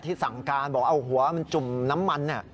สั่งการบอกเอาหัวมันจุ่มน้ำมัน